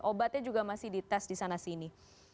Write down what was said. obatnya juga masih dites di sana sini